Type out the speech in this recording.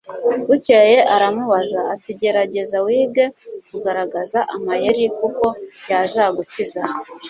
bukeye aramubaza, ati gerageza wige kugaragaza amayeri kuko yazagukiza